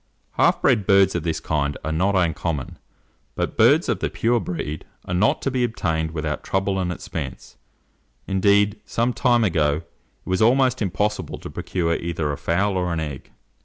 Half bred birds of this kind are not uncommon, but birds of the pure breed are not to be obtained without trouble and expense; indeed, some time ago, it was almost impossible to procure either a fowl or an egg.